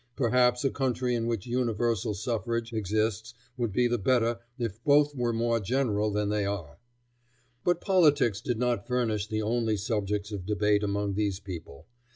Perhaps a country in which universal suffrage exists would be the better if both were more general than they are. But politics did not furnish the only subjects of debate among these people.